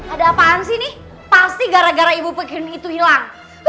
ada apaan sih nih pasti gara gara ibu pekening itu hilang